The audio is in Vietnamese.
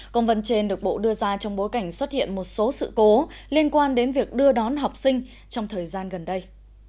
công văn trên được bộ đưa ra trong bối cảnh xuất hiện một số sự cố liên quan đến việc đưa đón học sinh trong thời gian gần đây